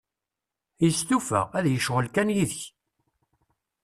Yestufa, ad d-yecɣel kan yid-k.